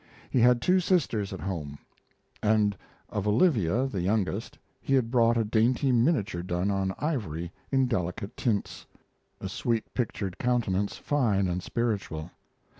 He had two sisters at home; and of Olivia, the youngest, he had brought a dainty miniature done on ivory in delicate tints a sweet pictured countenance, fine and spiritual.